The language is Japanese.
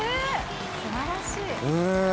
すばらしい。